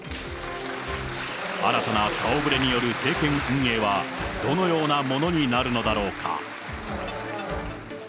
新たな顔ぶれによる政権運営はどのようなものになるのだろうか。